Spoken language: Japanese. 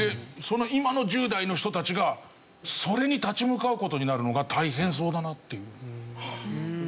今の１０代の人たちがそれに立ち向かう事になるのが大変そうだなっていう。